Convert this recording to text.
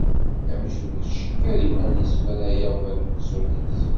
Amcum ittcekkir iman-is mi ara yaweḍ lmeqsud-is.